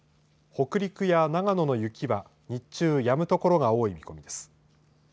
北陸や長野の雪は日中、やむ所が多い見込みです。